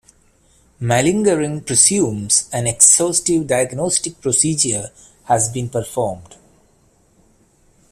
Malingering presumes an exhaustive diagnostic procedure has been performed.